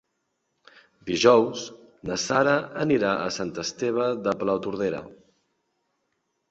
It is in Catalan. Dijous na Sara anirà a Sant Esteve de Palautordera.